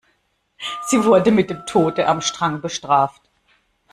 Sie wurden mit dem Tode am Strang bestraft.